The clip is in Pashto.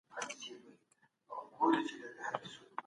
کارخانې څنګه د موادو ذخیره کوي؟